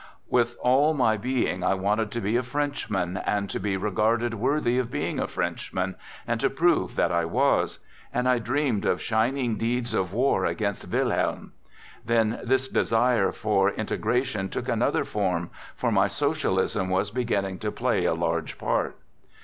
With all my being I wanted to be a Frenchman, and to be re garded worthy of being a Frenchman, and to prove that I was ; and I dreamed of shining deeds of war against Wilhelm. Then this desire for " integra tion " took another form, for my socialism was be ginning to play a large part.